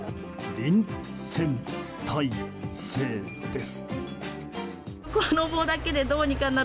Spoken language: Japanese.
臨戦態勢です。